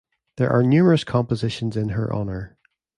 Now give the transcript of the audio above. There are numerous compositions in her honour.